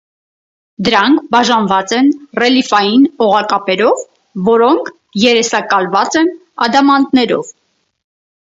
Դրանք բաժանված են ռելիեֆային օղակապերով, որոնք երեսակալված են ադամանդներով։